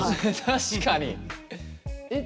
確かに。